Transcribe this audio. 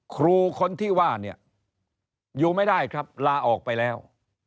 ครูคนที่ว่าเนี่ยอยู่ไม่ได้ครับลาออกไปแล้ว